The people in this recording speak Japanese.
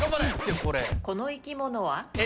この生き物は？